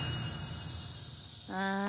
ああ。